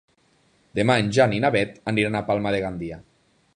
Demà en Jan i na Beth van a Palma de Gandia.